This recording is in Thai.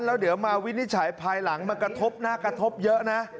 แล้วเดี๋ยวมาวินิจฉัยภายหลังมันกระทบน่ากระทบเยอะนะ